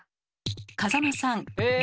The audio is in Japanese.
風間さん。え！